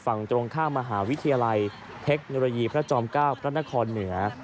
ฝั่งตรงข้ามมหาวิทยาลัยเทคโนโลยีพระจอม๙พระนครเหนือ